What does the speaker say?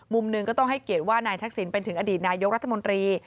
มุมหนึ่งก็ต้องให้เกียรติว่านายทักษิณเป็นถึงอดีตนายกรัฐมนตรี